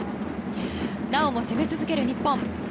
なおも攻め続ける日本。